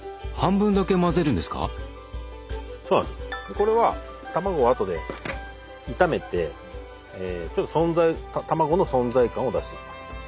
これは卵をあとで炒めてちょっと存在卵の存在感を出していきます。